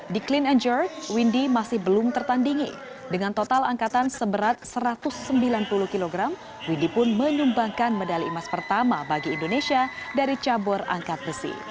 di clean and jerk windy masih belum tertandingi dengan total angkatan seberat satu ratus sembilan puluh kg windy pun menyumbangkan medali emas pertama bagi indonesia dari cabur angkat besi